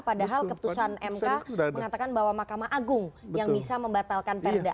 padahal keputusan mk mengatakan bahwa mahkamah agung yang bisa membatalkan perda